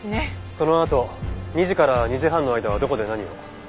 そのあと２時から２時半の間はどこで何を？